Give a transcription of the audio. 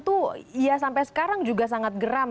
karena masyarakat luas tentu ya sampai sekarang juga sangat geram